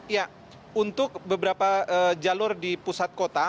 ya untuk beberapa jalur di pusat kota